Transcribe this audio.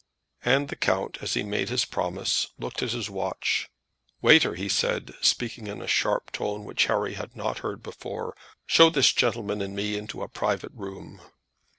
And the count as he made this promise looked at his watch. "Waiter," he said, speaking in a sharp tone which Harry had not heard before, "show this gentleman and me into a private room."